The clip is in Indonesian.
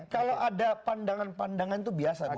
kalau ada pandangan pandangan itu biasa